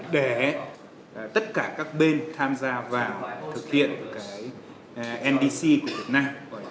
để tất cả các bên tham gia vào thực hiện cái ndc của việt nam